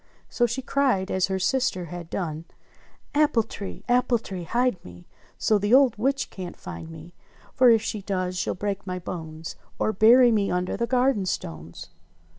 So she cried as her sister had done : "Apple tree ! Apple tree, hide me So the old witch can't find me, For if she does she'll break my bones, Or bury me under the garden stones."